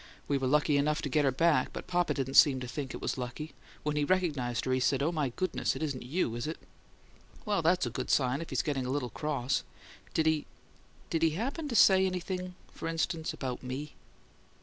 "We were lucky enough to get her back, but papa didn't seem to think it was lucky. When he recognized her he said, 'Oh, my goodness, 'tisn't YOU, is it!'" "Well, that's a good sign, if he's getting a little cross. Did he did he happen to say anything for instance, about me?"